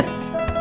terima kasih mak